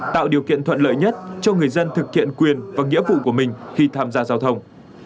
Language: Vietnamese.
tạo điều kiện thuận lợi nhất cho người dân thực hiện quyền và nghĩa vụ của mình khi tham gia giao thông